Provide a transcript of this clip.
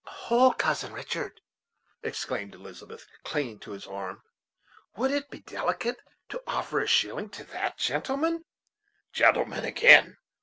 "Hold, Cousin Richard," exclaimed Elizabeth, clinging to his arm; "would it be delicate to offer a shilling to that gentleman?" "Gentleman, again!